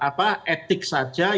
dan ada yang terdapat di dalam perusahaan